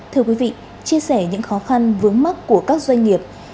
thưa quý vị chia sẻ những khó khăn vướng mắt của các doanh nghiệp